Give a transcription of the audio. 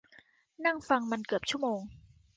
นั่งฟังมันเกือบชั่วโมง